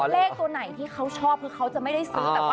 เลขที่เขาชอบเขาจะไม่ได้ซื้อ